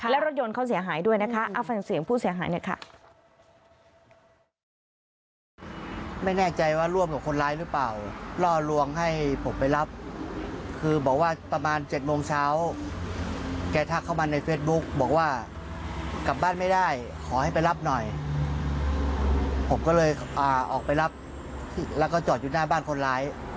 และรถยนต์เขาเสียหายด้วยนะคะเอาฟังเสียงผู้เสียหายหน่อยค่ะ